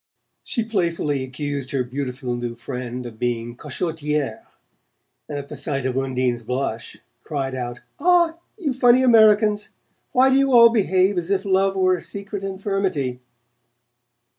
She playfully accused her beautiful new friend of being cachottiere, and at the sight of Undine's blush cried out: "Ah, you funny Americans! Why do you all behave as if love were a secret infirmity?"